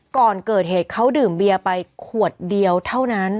ก่อนเกิดเหตุเขาดื่มเบียร์ไปขวดเดียวเท่านั้น